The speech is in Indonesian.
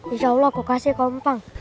insya allah kok kasih ke om pang